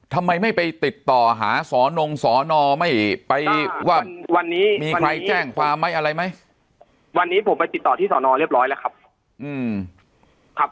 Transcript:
ทำไมไม่ไปติดต่อหาสอนงสอนอไม่ไปว่าวันนี้มีใครแจ้งความไหมอะไรไหมวันนี้ผมไปติดต่อที่สอนอเรียบร้อยแล้วครับ